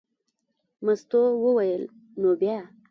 مستو وویل: نو بیا.